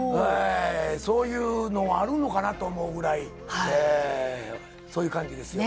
そういうのがあるのかなと思うぐらい、そういう感じですよ。